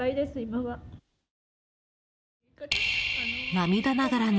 ［涙ながらに］